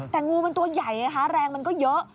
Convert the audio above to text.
แต่งูมันตัวใหญ่ไงคะแรงมันก็เยอะ